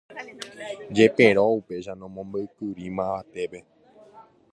Jepérõ upéicha nomombe'úikuri mavavetépe.